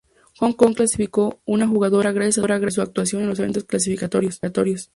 Hong Kong clasificó una jugadora gracias a su actuación en los eventos clasificatorios.